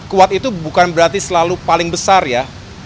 kuat itu bukan berarti selalu paling besar ya